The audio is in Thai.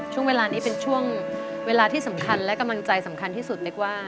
ช่วงเวลานี้เป็นช่วงเวลาที่สำคัญและกำลังใจสำคัญที่สุดเรียกว่า